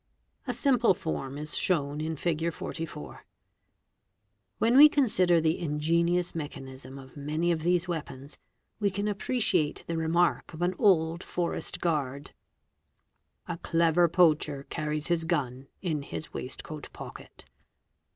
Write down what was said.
A simple form is shown in Fig. 44. — —s Fig. 44. When we consider the ingenious mechanism of many of these weapons we can appreciate the remark of an old forest guard, "A clever poacher carries his gun in his waist coat pocket".